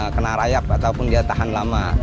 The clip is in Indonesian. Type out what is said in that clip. kena rayap ataupun dia tahan lama